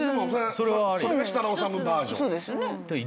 それが設楽統バージョン。